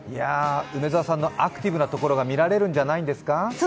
梅澤さんのアクティブなところが見られるんじゃないんですか。